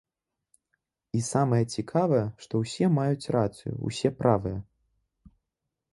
І самае цікавае, што ўсе маюць рацыю, усе правыя.